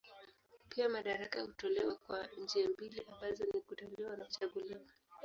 Pia madaraka hutolewa kwa njia mbili ambazo ni kuteuliwa na kuchaguliwa.